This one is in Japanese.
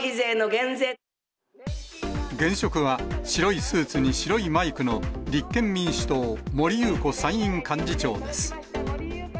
現職は白いスーツに白いマイクの、立憲民主党、森裕子参院幹事長です。